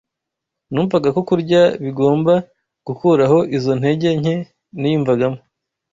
Numvaga ko kurya bigomba gukuraho izo ntege nke niyumvagamo